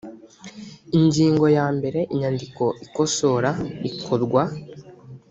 ingingo ya mbere inyandiko ikosora ikorwa